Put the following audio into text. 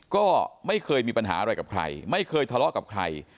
ก็ไม่เคยมีปัญหาอะไรกับใครไม่เคยทะเลาะกับใคร